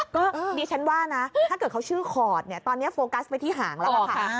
ก็ดิฉันว่านะถ้าเกิดเขาชื่อขอดเนี่ยตอนนี้โฟกัสไปที่หางแล้วค่ะ